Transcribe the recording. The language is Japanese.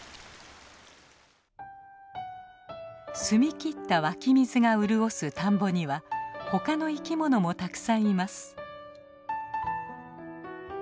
澄み切った湧き水が潤す田んぼには他の生き物もたくさんいます。